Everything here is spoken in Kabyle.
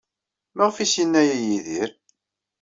Maɣef ay as-yenna aya i Yidir?